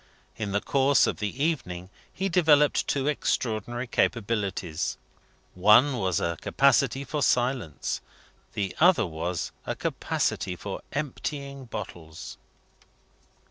In the course of the evening he developed two extraordinary capacities. One was a capacity for silence; the other was a capacity for emptying bottles.